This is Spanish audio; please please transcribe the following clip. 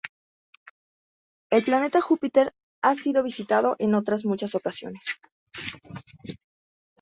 El planeta Júpiter ha sido visitado en otras muchas ocasiones.